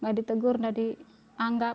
tidak ditegur tidak dianggap